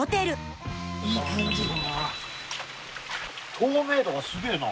透明度がすげえな。